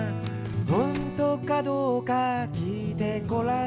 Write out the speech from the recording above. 「ほんとかどうかきいてごらん」